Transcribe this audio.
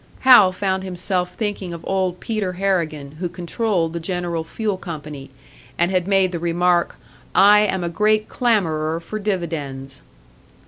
Hal found himself thinking of old Peter Harrigan, who controlled the General Fuel Company, and had made the remark: "I am a great clamourer for dividends!"